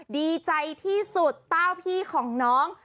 ดีใจที่สุดเต้าพี่ของน้อง